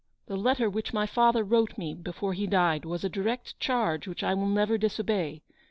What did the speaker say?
"The letter which my father wrote me before he died was a direct charge which I will never disobey.